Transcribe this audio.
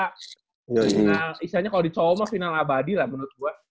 final istilahnya kalo di coomong final abadi lah menurut gue